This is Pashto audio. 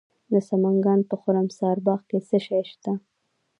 د سمنګان په خرم سارباغ کې څه شی شته؟